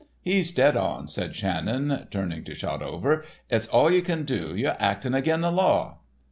"He's dead on," said Shannon, turning to Shotover. "It's all ye kin do. Yer're actin' agin the law."